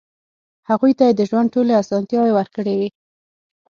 هغوی ته يې د ژوند ټولې اسانتیاوې ورکړې وې.